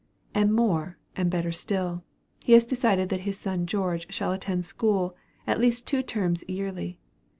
And more, and better still, he has decided that his son George shall attend school, at least two terms yearly.